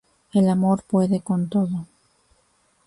El Amor Puede con Todo